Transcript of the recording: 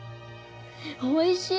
おいしい！